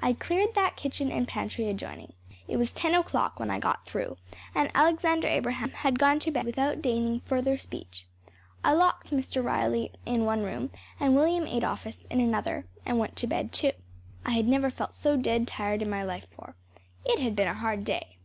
‚ÄĚ I cleared that kitchen and the pantry adjoining. It was ten o’clock when I got through, and Alexander Abraham had gone to bed without deigning further speech. I locked Mr. Riley in one room and William Adolphus in another and went to bed, too. I had never felt so dead tired in my life before. It had been a hard day.